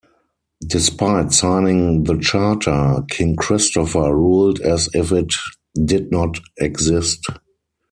Despite signing the charter, King Christopher ruled as if it did not exist.